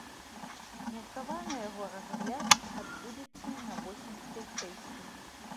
Меркавана яго разгляд адбудзецца на восеньскай сесіі.